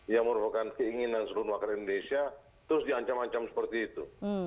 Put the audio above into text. yang merupakan keinginan seluruh masyarakat indonesia terus diancam ancam seperti itu